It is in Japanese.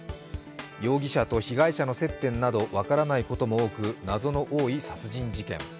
容疑者と被害者の接点など分からないことも多く謎の多い殺人事件。